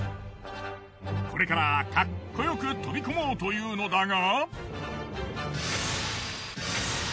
これからかっこよく飛び込もうというのだが。